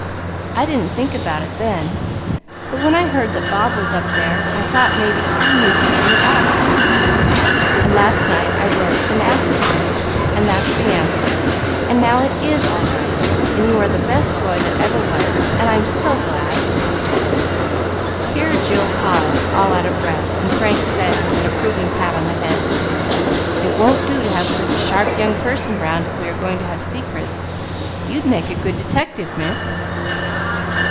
I didn't think about it then, but when I heard that Bob was up there I thought may be he knew something about it, and last night I wrote and asked him, and that's the answer, and now it is all right, and you are the best boy that ever was, and I'm so glad!" Here Jill paused, all out of breath, and Frank said, with an approving pat on the head, "It won't do to have such a sharp young person round if we are going to have secrets. You'd make a good detective, miss."